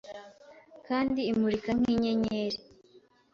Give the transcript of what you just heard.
Kandi imurika nk'inyenyeri